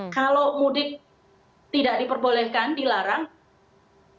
kalau mudik tidak diperbolehkan dilarang bagaimana caranya menyampaikan itu sama narasinya